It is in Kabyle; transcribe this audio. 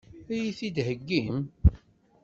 Ad iyi-t-id-theggim?